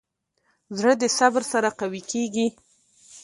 زړه د صبر سره قوي کېږي.